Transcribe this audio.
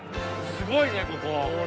・すごいねここ。